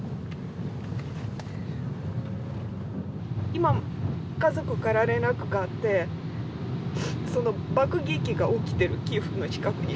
今家族から連絡があって爆撃が起きてるキーウの近くに。